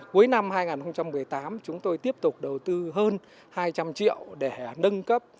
cuối năm hai nghìn một mươi tám chúng tôi tiếp tục đầu tư hơn hai trăm linh triệu để nâng cấp